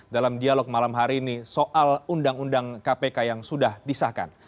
dalam dialog malam hari ini soal undang undang kpk yang sudah disahkan